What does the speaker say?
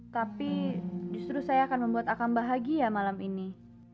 tapi justru saya akan membuat akan bahagia malam ini